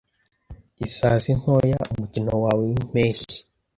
Isazi Ntoya Umukino wawe wimpeshyi